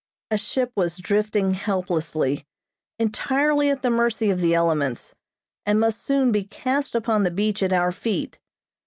A ship was drifting helplessly, entirely at the mercy of the elements, and must soon be cast upon the beach at our feet.